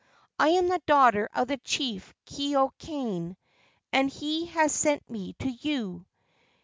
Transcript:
I am the daughter of the chief Keeokane, and he has sent me to you.